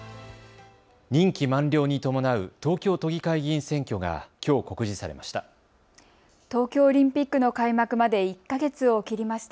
任期満了に伴う東京都議会議員選挙がきょう告示されました。